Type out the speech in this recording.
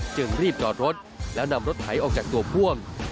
จึงรีบจอดรถแล้วนำรถไถออกจากตัวพ่วง